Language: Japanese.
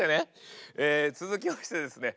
続きましてですね